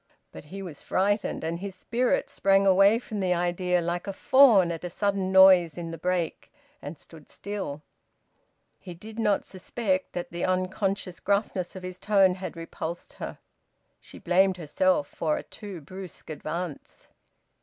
But he was frightened, and his spirit sprang away from the idea, like a fawn at a sudden noise in the brake, and stood still. He did not suspect that the unconscious gruffness of his tone had repulsed her. She blamed herself for a too brusque advance.